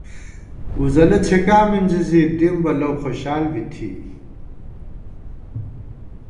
وُزلہ څھِکا مِنزی زی دِم بہ لؤ خوشال بی تھی